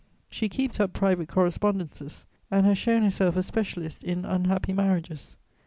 She keeps up private correspondences and has shown herself a specialist in unhappy marriages.